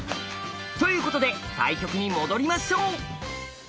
ということで対局に戻りましょう！